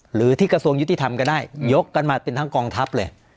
หรือที่กระทรวงยุติธรรมก็ได้ยกกันมาเป็นทั้งกองทัพเลย